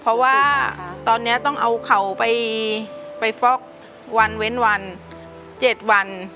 เพราะว่าตอนนี้ต้องเอาเข่าไปฟอกวันเว้นวัน๗วัน